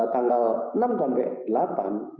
tanggal enam sampai delapan